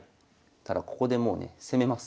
ただここでもうね攻めます。